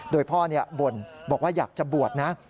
โดยพ่อบ่นบอกว่าอยากจะบวชนะ